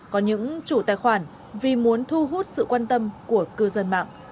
có những chủ tài khoản vì muốn thu hút sự quan tâm của cư dân mạng